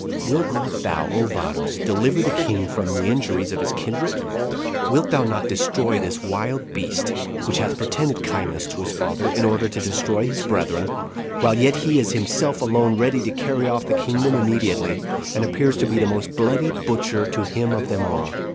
Wilt not thou, O Varus! deliver the king from the injuries of his kindred? Wilt not thou destroy this wicked wild beast, which hath pretended kindness to his father, in order to destroy his brethren; while yet he is himself alone ready to carry off the kingdom immediately, and appears to be the most bloody butcher to him of them all?